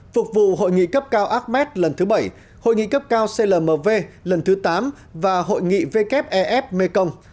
phục vụ hội nghị cấp cao ames lần thứ bảy hội nghị cấp cao clmv lần thứ tám và hội nghị wef mekong